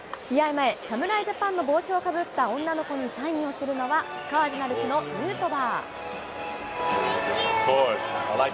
前、侍ジャパンの帽子をかぶった女の子にサインをするのは、カージナルスのヌートバー。